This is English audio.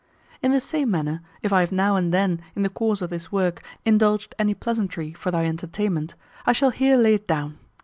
In the same manner, if I have now and then, in the course of this work, indulged any pleasantry for thy entertainment, I shall here lay it down.